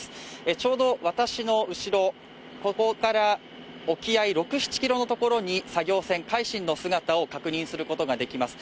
ちょうど私の後ろ、ここから沖合６７ｋｍのところに作業船「海進」の姿を確認することができます。